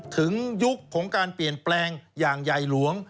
ยุคของการเปลี่ยนแปลงอย่างใหญ่หลวง